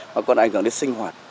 mà còn ảnh hưởng đến sinh hoạt